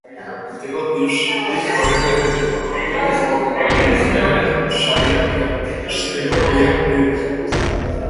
Urteko diskorik onenaren eta bakarkako pop emanaldi onenaren sariak irabazteko lehian ari da.